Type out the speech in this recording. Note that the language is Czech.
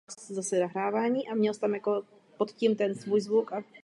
Nyní nás Američané laskavě vyzývají, abychom zaplatili svůj podíl.